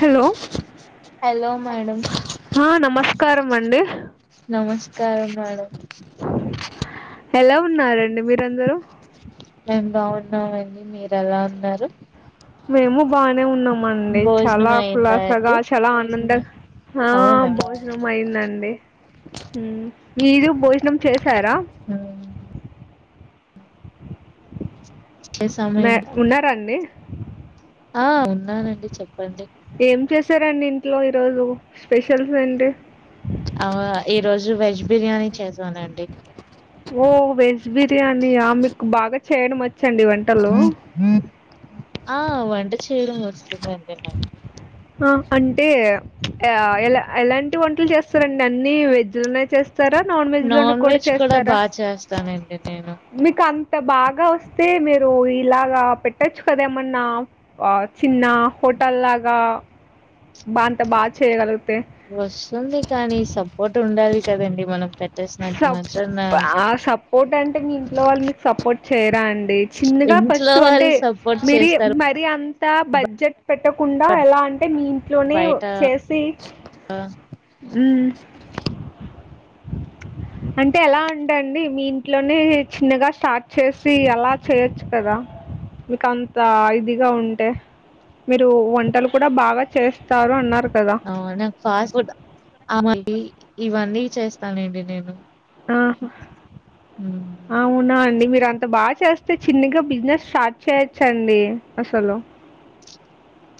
Hello hello madam ఆ నమస్కారం అండి నమస్కారం మేడం ఎలా ఉన్నారండి మీరందరూ ఉన్నామండి మీరు ఎలా ఉన్నారు మేము బానే ఉన్నామ అండి భోజనం చాలా అయిందా కుులాసగా అండి చాలా ఆనంద ఆ అవునా భోజనం అయిందండి మీరు భోజనం చేసారా మ్మ్. మ చేసామండి ఉన్నారండి ఆ ఉన్నానండి చెప్పండి చేసారండి ఇంట్లో ఈరోజు స్పెషల్స్ ఏంటి ఆ ఈ రోజు వెజ్ బిర్యానీ చేసానండి ఓ వెజ్ బిర్యానియా మీకు బాగా చేయడం వచ్చ ఆ వంట చేయడం వస్తుందండి నాకు ఆ అంటే ఎలా ఎలాంటి వంటలు చేస్తారండి అన్ని వెజ్ లోనే చేస్త నాన్ వెజ్ లో కూడా వెజ్ చేస్తారా బాగా చేస్తానండి నేను మీకు ఇంత బాగా వస్తే మీరు ఇలాగా పెట్టొచ్చు కదా ఏమన్నా చిన్న హోటల్లాగా బా అంత బాగా చేయగలుగుత వస్తుంది కానీ సపోర్ట్ ఉండాలి కదండి మనం చేసినంత మాత్రాన ఏంటంటే మీ ఇంట్లో వాళ్ళు మీకు సపోర్ట్ చేయరా అండి చిన్నగా ఇంట్లో ఫస్ట్ అంటే వాళ్ళు సపోర్ట్ మీరి చేస్తారు మరి అంత బడ్జెట్ పెట్టకుండా ఎలా అంటే మీ ఇంట్లోనే బయట చేసి ఆ, అంటే ఎలా ఉంటండి మీ ఇంట్లోనే చిన్నగా స్టార్ట్ చేసి ఎలా చేయొచ్చు కదా మీక అంత ఇదిగా ఉంటే మీరు వంటలు కూడా బాగా చేస్తారు అన్నారు కదా! అవు నాకు ఫాస్ట్ ఫుడ్ మ ఇవన్నీ చేస్తానండి నేను ఆ హ్మ్. అవునా అండి మీర్ మీరు అంత బాగా చేస్తే చిన్నగా బిజినెస్ స్టార్ట్ చేయొచ్చండి అసలు చ్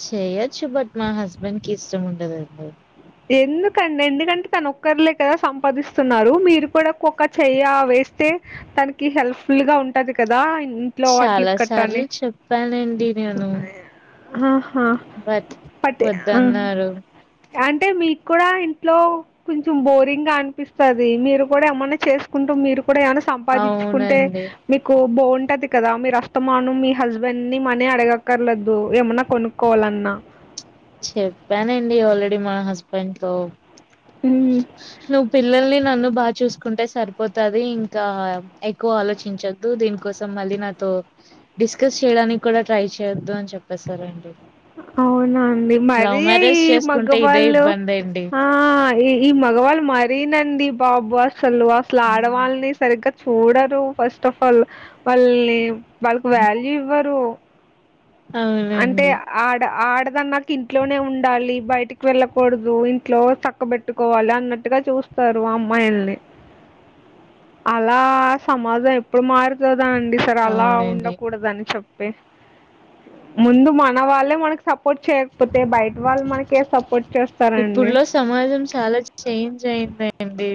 చేయొచ్చు బట్ నా హస్బెండ్ కి ఇష్టం ఉండదండి ఎందుకండి ఎందుకంటే తన ఒక్కర్లే కదా సంపాదిస్తున్నారు మీరు కుడా కొక్క చెయ్య వేస్ తే తనకి హెల్ప్ ఫుల్ గా ఉంటది కదా ఇంట్లో చాలా అడ్లుక్ సార్లు కట్టాని చెప్పానండి నేను ఆ బట్ పట్టె వద్దన్నారు ఆ అంటే మీకుడా ఇంట్లో కొంచెం బోరింగ్ గా అనిపిస్తది మీరు కూడా ఏమన్నా చేసుకుంటూ మీరు ఇప్పుడు ఏమన్న సంపాదించుకుంటే అవునండి మీకు బాగుంటది కదా మీరు అస్తమానుం మీ హస్బెండ్ ని మనీ అడగక్కర్లేదు ఏమన్నా కొనుక్కోవాలన్నా ఆ చెప్పానండి ఆల్రెడి మా హస్బెండ్ తో హ్మ్. నువ్వు పిల్లల్ని నన్ను బాగా చూసు కుంటే సరిపోతది ఇంకా ఎక్కువ ఆలోచించొద్దు దీనికోసం మళ్ళీ నాతో డిస్కస్ చేయడానికి కూడా ట్రై చేయొద్దు అని చెప్పేసారండి. అవునా అండి లవ్ మరి మ్యారేజ్ ఈ చేసుకుంటే ఇదే మగవాళ్ళు ఇబ్బంది అండి ఆ ఇది మగవాళ్ళు మారినండి బాబ్బ అసలు అస్లా ఆడవాళ్ళని సరిగ్గ చూడరు ఫస్ట్ఫల్ మళ్ళి వాళ్ళకు వాల్యూ ఇవ్వరు. అంటే అవునండి ఆడ ఆ తెలుసా మాకు ఇంట్లోనే ఉండాలి బయటికి వెళ్ళకూడదు ఇంట్లో చక్క బెట్టుకోవాలి అన్నట్టుగా చూస్ స్తారు అమ్మాయిల్ని అలా సమాజం ఎప్పుడు మారిపో తుందో అండి సరే అలా అవునండి. ఉండకూడదని చెప్పి ముందు మన వాళ్ళే మనకి సపోర్ట్ చేయక్పోతే బయట వాళ్ళు మనకె సపోర్ట్ చేస్తారండి ఇప్పుడ్లో సమాజం చాలా చేంజ్ అయిందండి.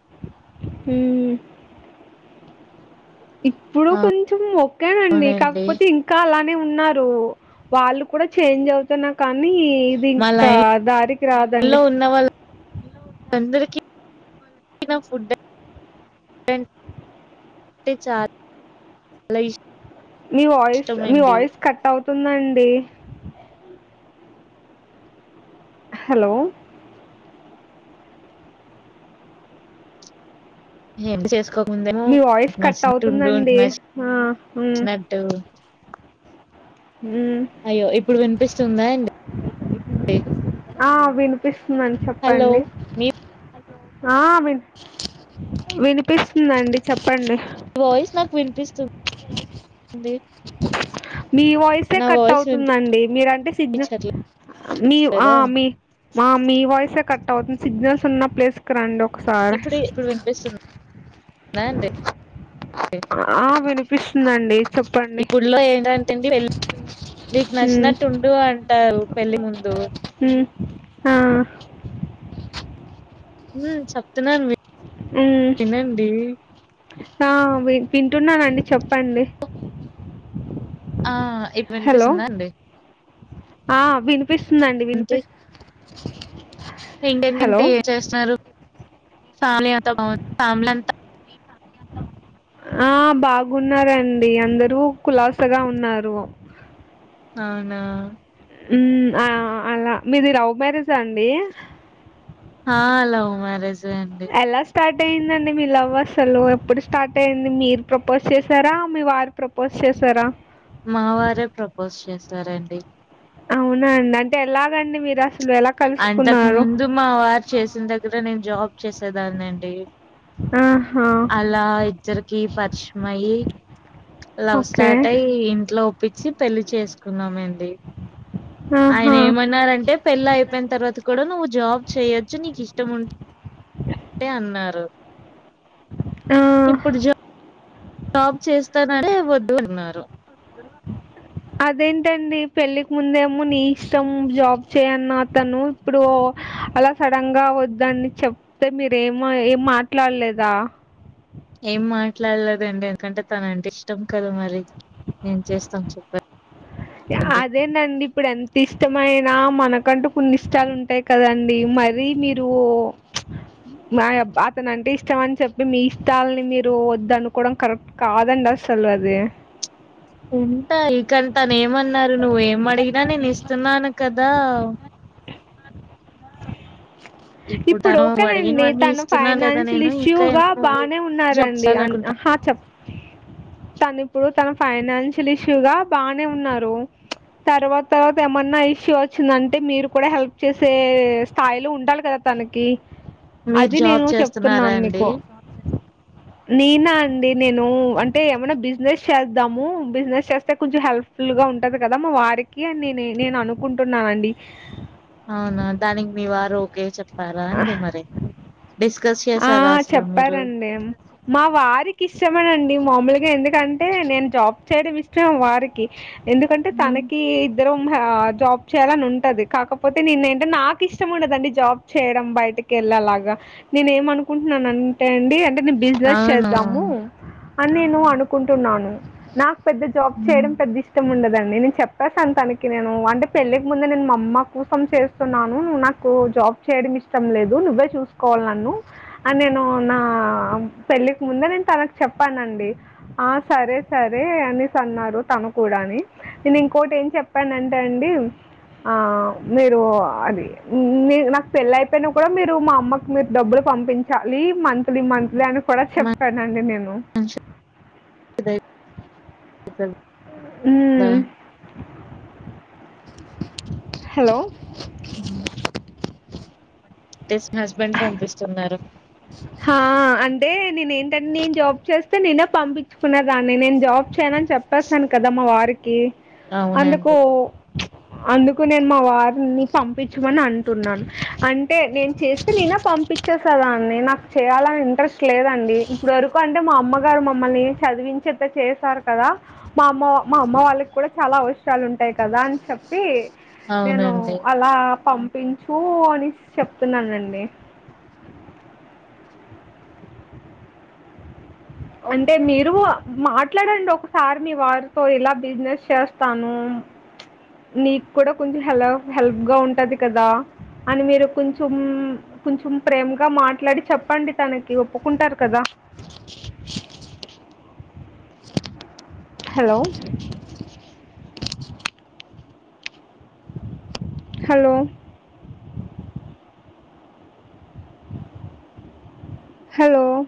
హ్మ్ హు ఇప్పుడు కొంచెం ఒకే అండి అవునండి. కాక్పోతే ఇంకా అలా ఉన్నారు వాళ్ళు కూడా చేంజ్ అవుతున్నా కానీ మా దీన్కొక లైన్‌లో దారికి రాదండి. నచ్చిన ఫుడ్డ [unintelligible] చారు మీ వాయిస్ మీ వాయిస్ కట్ అవుతుందండి. హలో [unintelligible] చేసుకోక ముందేమో మీ వాయిస్ కట్ నచ్చినట్టు ఉండు అవుతుందండి నచ్ ఆ ఉమ్ నచ్చినట్టు ఉమ్ అయ్యో ఇప్పుడు వినిపిస్తుందా అండి ఉన్నాన్ హలో! చెప్పండి మీ ఆ వినిప్ వినిపిస్తుదండి చెప్పండి వాయిస్ నాకు వినిపిస్తుంది మీ వాయిసే నా కట్ వాయిస్ అవుతుందండి మీరంటే సిగ్నల్ వినిపించట్లేదా? మీ ఆ మీ ఆ మీ వాయిసే కట్ అవుతుంది సిగ్నల్స్ ఉన్న ప్లేస్ కి రండి ఒకసారి ఇప్పుడు ఇప్పుడు వినిపిస్తుందా అండి ఆ వినిపిస్తుందండి చెప్పండి ఇప్పుడులో ఏంటంటెండి పెళ్ నీకు ఉమ్ నచ్చినట్టు ఉండు అంటారు పెళ్లి ముందు ఉమ్ ఆ హ్మ్ చెప్తున్నాను హ్మ్ వినండి. ఆ విం వింటున్నానండి చెప్పండి ఆ ఇప్పుడు హలో వినిపిస్తుందా అండి ఆ విని వినిపిస్తుందండి వినిపిస్ పెళ్లి హలో అయ్యిందంటే ఏం చేస్తారు ఫ్యామిలీ అంతా బాగుంది ఫ్యామిలీ అంతా [unintelligible] ఆ బాగున్నారండి. అందరూ కులాసగా ఉన్నారు. అవునా ఉ ఆ అలా మీది రవ్ మ్యారేజ్ అండి. ఆ లవ్ మ్యారేజే అండి. ఎలా స్టార్ట్ అయయిందండి మీ లవ్ అసలు ఎప్పుడు స్టార్ట్ అయింది. మీరు ప్రపోజ్ చేసారా? మీ వారు ప్రపోజ్ చేశారా మా వారే ప్రపోజ్ చేశారండి. అవునా అండి, అంటే ఎలాగండి మీరు అసలు. ఎలా అంతకు కలుసుకున్నారు ముందు మా వారు చేసిన దగ్గర నేను జాబ్ చేసేదాన్నండి. మ్ అలా ఇద్దరికి పరిచయమయి లవ్ ఓకే స్టార్ట్ అయి, ఇంట్లో ఒప్పించి పెళ్లి చేసుకున్నామండి. ఉ ఆయన ఏమన్నారంటే, పెళ్ళ అయిపోయిన తర్వాత కూడా నువ్వు జాబ్ చేయచ్చు నీకు ఇష్టం ఉంటే. అంటే అన్నారు. ఆ. ఇప్పుడు జా జాబ్ చేస్తాననే వద్దుఅన్నారు. [inaudible] అదేంటండి పెళ్ళికి ముందేమో నీ ఇష్టం జాబ్ చేయి అన్న అతను ఇప్పుడు. అలా సడన్ గా వద్దని చెప్తే మీరేమి ఏం మాట్లాడలేదా? ఏం మాట్లాడలేదండి. ఎందుకంటే తన అంటే ఇష్టం కదా మరి. ఏమిచేస్తాం చెప్పండి. అదేనండి, ఇప్పుడు ఎంత ఇష్టమైన మనకంటూ కొన్ని ఇష్టాలు ఉంటాయి కదండి మరీ మీరు. మా అతను అంటే ఇష్టం అని చెప్పి మీ ఇష్టాలని మీరు వద్ద అనుకోవడం కరెక్ట్ కాదండి అసలు. చల్వద [unintelligible] ఎంట ఇకంటానే ఏమన్నారు నువ్వేమడిగనా నేను ఇస్తున్నాను కదా. ద్దావ్ ఇప్పుడు తను ఓకేనండి అడిగినవన్నీ తను ఇస్తున్నాను కదా ఫైనాన్షియల్ నేను ఇంకా ఇష్యూగా ఎందుకు నువ్వు బానే జాబ్ ఉన్నారండి. అ చేయాలనుకుంటా చెప్పండి. తను ఇప్పుడు తన ఫైనాన్షియల్ ఇష్యూగా బానే ఉన్నారు. తర్వాత ఏమన్నా ఇష్యూ వచ్చిందంటే మీరు కూడా హెల్ప్ చేసే స్థాయిలో ఉండాలి. కదా తనకి మీరు అది జాబ్ నేను చేస్తున్నారా చెప్తున్నాను అండి మీకు. నేనా అండి, నేను అంటే ఏమన్నా బిజినెస్ చేద్దాము బిజినెస్ చేస్తే కొంచెం హెల్ప్ ఫుల్ గా ఉంటది కదా మా వారికి అని నేనే నేను అనుకుంటున్నానండి. అవునా, దానికి మీ వారు ఓకే చెప్పారా ఆ అండి మరి డిస్కస్ ఆ చేసారా అసలు మీరు చెప్పారండి మా వారికి ఇష్టమేనండి. నీ మామలుగా ఎందుకంటే నేను జాబ్ చేయడం ఇష్టం వారికి. ఎందుకంటే తనకి ఇద్దరు జాబ్ చేయాలని ఉంటది కాకపోతే నేను ఏంటే నాకు ఇష్టం ఉండదండి జాబ్. చేయడం బయటకి వెళ్లేలాగా నేను ఏమ అనుకుంటున్నాను అంటే అండి అంటే బిజినెస్ అవును చేద్దాము అని నేను అనుకుంటున్నాను. నాకు పెద్ద జాబ్ చేయడం పెద్ద ఇష్టం ఉండదు. నేను చెప్పేసాను తనకి నేను అంటే పెళ్లికి ముందే నేను మా అమ్మ కోసం చేస్తున్నాను. నువ్వు నాకు జాబ్ చేయడం ఇష్టం లేదు నువ్వే చూసుకోవాలి నన్ను. అ నేను నా పెళ్ళికి ముందే నేను తనకు చెప్పానండి. ఆ సరే సరే అనేసి అన్నారు. తను కూడా అని నేను ఇంకోటి ఏం చెప్పాన అంటే అండి ఆ మీరు అది నాకు పెళ్లి అయిపోయినా కూడా మీరు మా అమ్మకు మీరు డబ్బులు పంపించాలి. మంత్లీ మంత్లీ అని తర్వాత మంచి చెప్తానండి నేను ఆ హ్మ్. హలో హ బెస్ట్ హస్బెండ్ పంపిస్తున్నారు హా అంటే నేను ఏంటంటే నేను జాబ్ చేస్తే నేనే పంపించుకున్న దాన్ని నేను జాబ్ చేయానని చెప్పేస్తాను కదా మా వారికి అందుకు అవునండి అందుకు నేను మా వారు పంపించమని అంటున్నాను అంటే నేను చే నినా పంపించేస్తు కదా అండి నాకు చేయాలని ఇంట్రెస్ట్ లేదండి ఇప్పుడు వరకు అంటే మా అమ్మగారు మమ్మ చదివించేంత చేసారు కదా మా అమ్మ మా అమ్మ వాళ్ళకి కూడా చాలా అవసరాలు ఉంటాయి కదా అని చెప్పి నేను అవునండి అలా పంపించు అని చెప్తున్నానండి డి అంటే మీరు మాట్లాడండి ఒకసారి మీ వారితో ఇలా బిజినెస్ చేస్తాను నీకు కూడా కొంచెం హెల్ హెల్ప్ గా ఉంటది కదా అని మీరు కొంచెం కొంచెం ప్రేమగా మాట్లాడి చెప్పండి తనకి ఒప్పుకుంటారు కదా హలో హలో హలో